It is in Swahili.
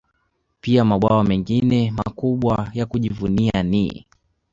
Pia mabwawa mengine makubwa ya kujivunia ni